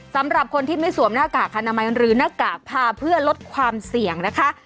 สำหรับคนที่ไม่สวมหน้ากากอนามัยหรือหน้ากากพาเพื่อลดความเสี่ยงนะคะ